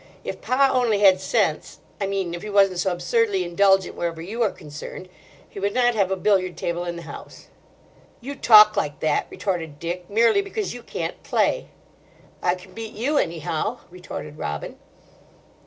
If Pa only had sense—I mean if he wasn't so absurdly indulgent wherever you are concerned, he would not have a billiard table in the house." "You talk like that," retorted Dick, "merely because you can't play." "I can beat you, anyhow," retorted Robin.